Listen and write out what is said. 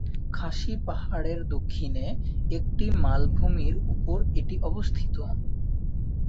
খাসি পাহাড়ের দক্ষিণে একটি মালভূমির উপর এটি অবস্থিত।